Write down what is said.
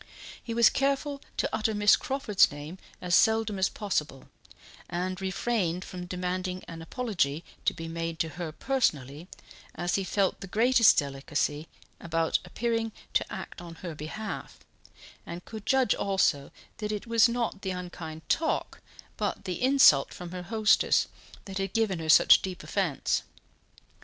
He was careful to utter Miss Crawford's name as seldom as possible, and refrained from demanding an apology to be made to her personally, as he felt the greatest delicacy about appearing to act on her behalf, and could judge also that it was not the unkind talk, but the insult from her hostess, that had given her such deep offence.